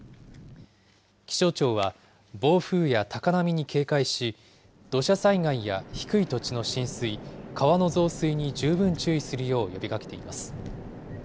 気象庁は暴風や高波に警戒し、土砂災害や低い土地の浸水、川の増水に十分注意するよう呼びかけています。